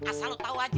asal lo tau aja